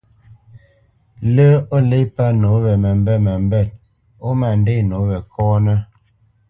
Lə́ o lê pə́ nǒ we məmbêt məmbêt ó ma ndê nǒ we kɔ́nə́.